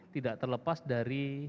tidak terlepas dari